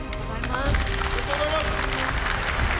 おめでとうございます。